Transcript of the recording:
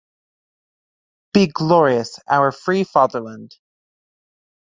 Be glorious, our free Fatherland!